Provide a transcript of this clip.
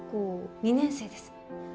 ２年生です。